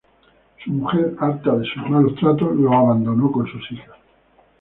Su mujer, harta de sus malos tratos lo abandonó con sus hijas.